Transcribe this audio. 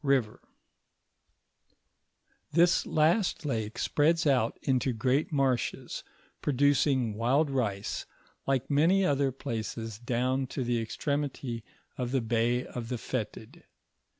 118 3 ' f last lake spreads out into great marshes, producing wild rice, like many other places down to the extremity of the Bay of the Fetid.